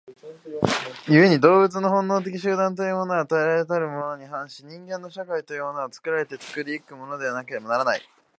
故に動物の本能的集団というものは与えられたものたるに反し、人間の社会というのは作られて作り行くものでなければならない。